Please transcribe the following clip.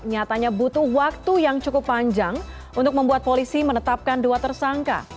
nyatanya butuh waktu yang cukup panjang untuk membuat polisi menetapkan dua tersangka